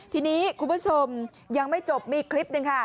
ทีนี้คุณผู้ชมยังไม่จบมีคลิปหนึ่งค่ะ